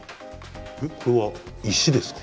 えっこれは石ですか？